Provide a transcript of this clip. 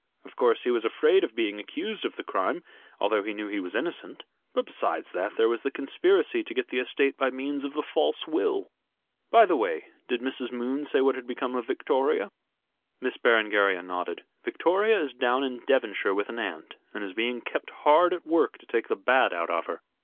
Of course, he was afraid of being accused of the crime, although he knew he was innocent, but, besides that, there was the conspiracy to get the estate by means of the false will. By the way, did Mrs. Moon say what had become of Victoria?" Miss Berengaria nodded. "Victoria is down in Devonshire with an aunt, and is being kept hard at work to take the bad out of her.